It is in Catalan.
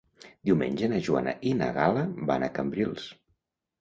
Diumenge na Joana i na Gal·la van a Cambrils.